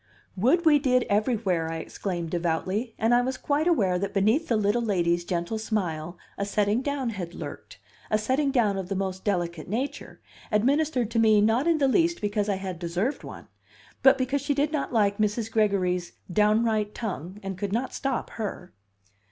"Would we did everywhere!" I exclaimed devoutly; and I was quite aware that beneath the little lady's gentle smile a setting down had lurked, a setting down of the most delicate nature, administered to me not in the least because I had deserved one, but because she did not like Mrs. Gregory's "downright" tongue, and could not stop her.